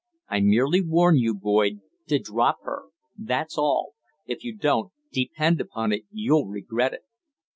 I merely warn you, Boyd, to drop her. That's all. If you don't, depend upon it you'll regret it."